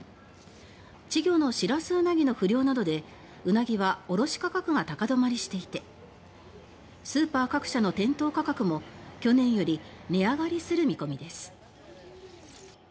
稚魚のシラスウナギの不漁などでウナギは卸価格が高止まりしていてスーパー各社の店頭価格も去年より値上がりする見込みです